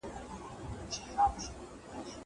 زه کولای شم دا کار وکړم!